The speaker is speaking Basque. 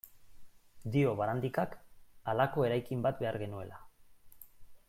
Dio Barandikak, halako eraikin bat behar genuela.